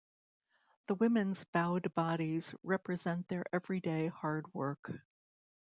The women's bowed bodies represent their everyday hard work.